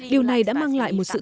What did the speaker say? điều này đã mang lại một sự thay đổi